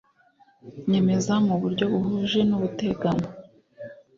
Nyemeza mu buryo buhuje n ubuteganywa